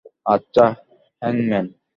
আচ্ছা, হ্যাংম্যান।